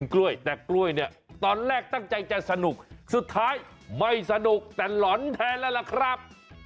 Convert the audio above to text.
กล้วยแต่กล้วยเนี่ยตอนแรกตั้งใจจะสนุกสุดท้ายไม่สนุกแต่หลอนแทนแล้วล่ะครับ